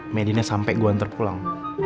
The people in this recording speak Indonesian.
medina sampai gue hantar pulang